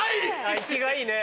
生きがいいね。